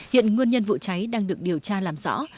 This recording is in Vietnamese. hiện nguyên nhân vụ cháy đang được điều tra làm rõ